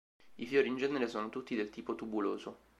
I fiori in genere sono tutti del tipo tubuloso.